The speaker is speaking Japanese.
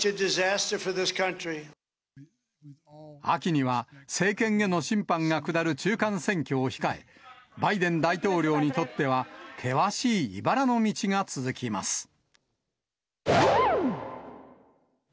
秋には政権への審判が下る中間選挙を控え、バイデン大統領にとっては、険しいいばらの道が続きます。